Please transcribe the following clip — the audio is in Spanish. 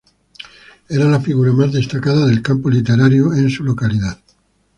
Era la figura más destacada del campo literario en su localidad.